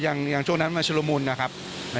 อย่างช่วงนั้นมันชุลมุนนะครับ